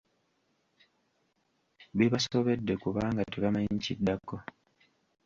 Bibasobedde kubanga tebamanyi kiddako.